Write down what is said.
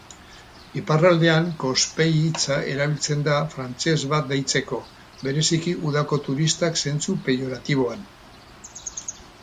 Iparraldean "Kospei" hitza erabiltzen da frantses bat deitzeko, bereziki udako turistak, zentzu peioratiboan.